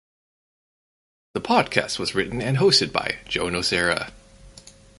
The podcast was written and hosted by Joe Nocera.